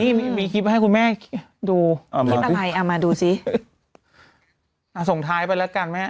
นี่มีมีคลิปให้คุณแม่ดูอ่าคลิปอะไรอ่ะมาดูสิอ่าส่งท้ายไปแล้วกันแม่